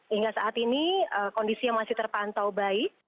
hingga saat ini kondisi yang masih terpantau baik